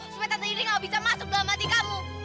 sumpah tante ingrid gak bisa masuk dalam hati kamu